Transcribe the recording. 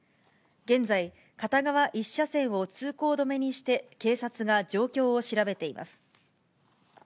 現在、片側１車線を通行止めにして、警察が状況を調べています。